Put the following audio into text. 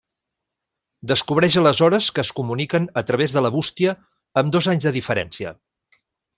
Descobreix aleshores que es comuniquen a través de la bústia amb dos anys de diferència.